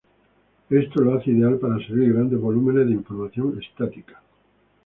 Esto lo hace ideal para servir grandes volúmenes de información estática.